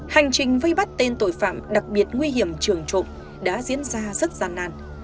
hành trình vây bắt tên tội phạm đặc biệt nguy hiểm trường trộm đã diễn ra rất gian nàn